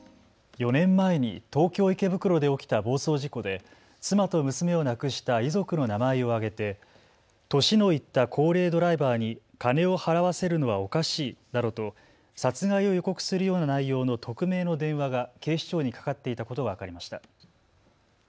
４年前に東京池袋で起きた暴走事故で妻と娘を亡くした遺族の名前を挙げて年のいった高齢ドライバーに金を払わせるのはおかしいなどと殺害を予告するような内容の匿名の電話が警視庁にかかっていたことが分かりました。